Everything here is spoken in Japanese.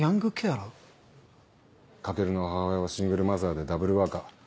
翔の母親はシングルマザーでダブルワーカー。